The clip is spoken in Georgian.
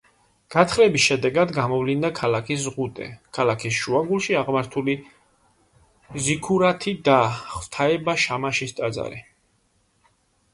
გათხრების შედეგად გამოვლინდა ქალაქის ზღუდე, ქალაქის შუაგულში აღმართული ზიქურათი და ღვთაება შამაშის ტაძარი.